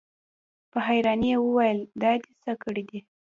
په حيرانۍ يې وويل: دا دې څه کړي؟